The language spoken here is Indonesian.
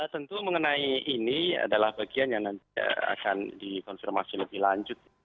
tentu mengenai ini adalah bagian yang nanti akan dikonfirmasi lebih lanjut